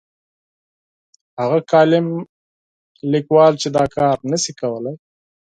هغه کالم لیکوال چې دا کار نه شي کولای.